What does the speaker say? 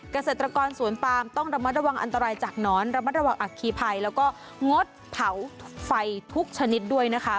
เกษตรกรสวนปามต้องระมัดระวังอันตรายจากหนอนระมัดระวังอัคคีภัยแล้วก็งดเผาไฟทุกชนิดด้วยนะคะ